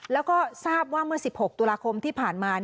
แล้วก็ทราบว่าเมื่อ๑๖ตุลาคมที่ผ่านมา